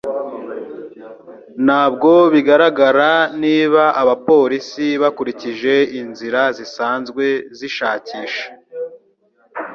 Ntabwo bigaragara niba abapolisi bakurikije inzira zisanzwe zishakisha.